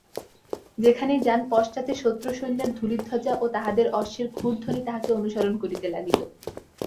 যেখানেই যান পশ্চাতে শত্রুসৈন্যের ধূলিধ্বজা ও তাহাদের অশ্বের ক্ষুরধ্বনি তাঁহাকে অনুসরণ করিতে লাগিল।